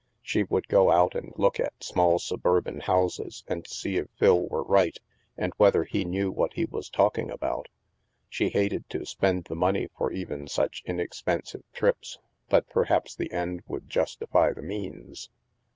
She would go out and look at small suburban houses and see if Phil were right, and whether he knew what he was talking about. She hated to spend the money for even such inex pensive trips, but perhaps the end would justify the means.